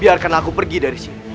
biarkan aku pergi dari sini